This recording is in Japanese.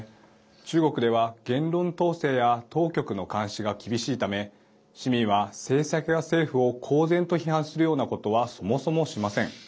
中国では言論統制や当局の監視が厳しいため市民は、政策や政府を公然と批判するようなことはそもそもしません。